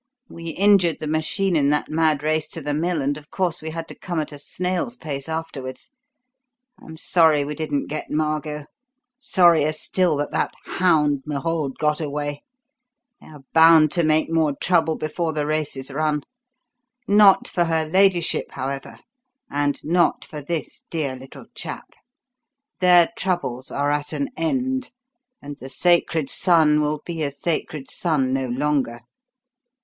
We injured the machine in that mad race to the mill, and of course we had to come at a snail's pace afterwards. I'm sorry we didn't get Margot sorrier still that that hound Merode got away. They are bound to make more trouble before the race is run. Not for her ladyship, however, and not for this dear little chap. Their troubles are at an end, and the sacred son will be a sacred son no longer."